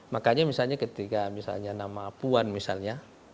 makanya misalnya ketika misalnya nama puan misalnya